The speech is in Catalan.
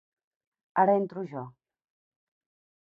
Ara entro jo.